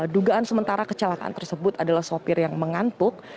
dugaan sementara kecelakaan tersebut adalah sopir yang mengantuk